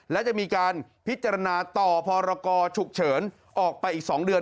และจะมีการพิจารณาต่อพรกรฉุกเฉินออกไปอีก๒เดือน